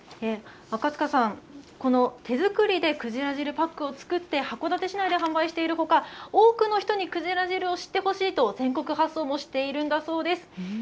赤塚さん、この手作りでくじら汁パックを作って、函館市内で販売しているほか、多くの人にくじら汁を知ってほしいと、全国発送もしているんだそうです。